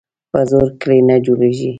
په زور کلي نه جوړیږي.